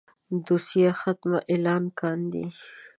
دوسيه ختمه اعلان کاندي.